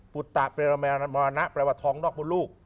ุตตะเบรมรณะแปลว่าทองนอกมนลูก